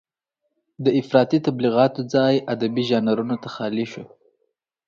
د افراطي تبليغاتو ځای ادبي ژانرونو ته خالي شو.